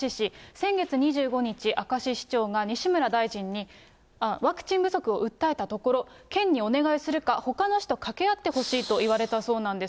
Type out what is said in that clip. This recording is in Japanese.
先月２５日、明石市長が西村大臣に、ワクチン不足を訴えたところ、県にお願いするか、ほかの市と掛け合ってほしいと言われたそうなんです。